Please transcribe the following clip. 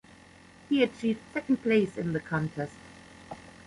He achieved second place in the contest.